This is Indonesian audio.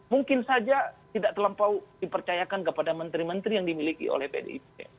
mungkin saja tidak terlampau dipercayakan kepada menteri menteri yang dimiliki oleh pdip